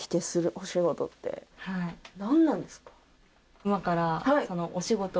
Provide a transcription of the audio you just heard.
何なんですか？